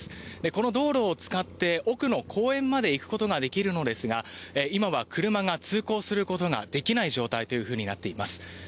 この道路を使って奥の公園まで行くことができるのですが今は車が通行することができない状態となっています。